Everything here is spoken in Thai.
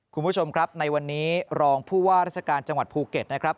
คุณผู้ชมครับในวันนี้รองผู้ว่าราชการจังหวัดภูเก็ตนะครับ